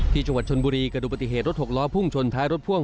ที่จังหวัดชนบุรีกระดูกปฏิเหตุรถหกล้อพุ่งชนท้ายรถพ่วง